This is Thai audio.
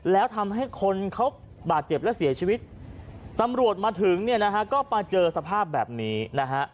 แล้วทำให้คนเขาบาดเจ็บและเสียชีวิตตำรวจมาถึงเนี่ยนะฮะก็มาเจอสภาพแบบนี้นะฮะ